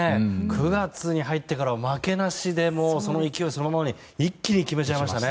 ９月に入ってからは負けなしでもう、その勢いそのままに一気に決めちゃいましたね。